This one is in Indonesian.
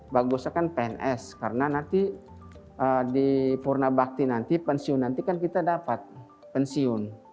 bagusnya kan pns karena nanti di purna bakti nanti pensiun nanti kan kita dapat pensiun